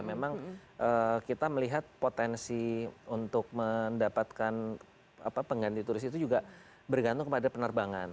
memang kita melihat potensi untuk mendapatkan pengganti turis itu juga bergantung kepada penerbangan